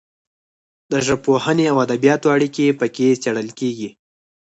د ژبپوهنې او ادبیاتو اړیکې پکې څیړل کیږي.